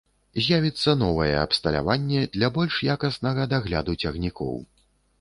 З'явіцца новае абсталяванне для больш якаснага дагляду цягнікоў.